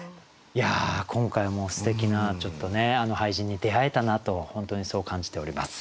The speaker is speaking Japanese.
いや今回もすてきな俳人に出会えたなと本当にそう感じております。